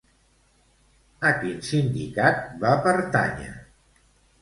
A quin sindicat va pertànyer?